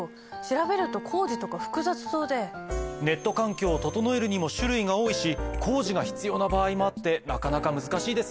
ネット環境を整えるにも種類が多いし工事が必要な場合もあってなかなか難しいですよね。